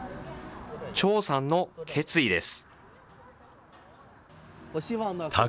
張さんの決意です。